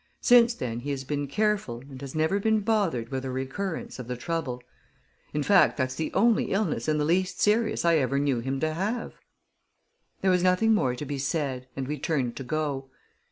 Since then he has been careful, and has never been bothered with a recurrence of the trouble. In fact, that's the only illness in the least serious I ever knew him to have." There was nothing more to be said, and we turned to go.